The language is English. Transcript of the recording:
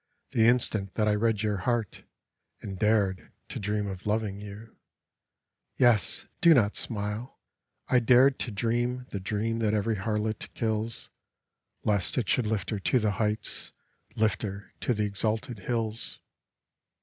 The instant that I read your heart, And dared — to dream of loving you I " Yes I — do not smile I — I dared to dream The dream that every harlot kills, Lest it should lift her to the heights. Lift her to the exalted hills.